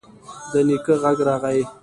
د نيکه غږ راغی: